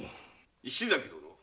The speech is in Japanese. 石崎殿。